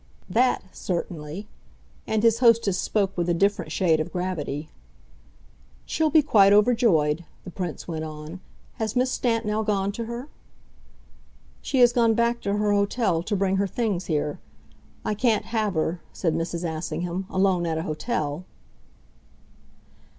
"That, certainly" and his hostess spoke with a different shade of gravity. "She'll be quite overjoyed," the Prince went on. "Has Miss Stant now gone to her?" "She has gone back to her hotel, to bring her things here. I can't have her," said Mrs. Assingham, "alone at an hotel."